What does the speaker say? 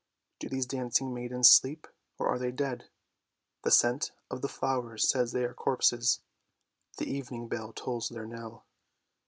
Do these dancing maidens sleep, or are they dead? The scent of the flower says that they are corpses. The evening bell tolls their knell."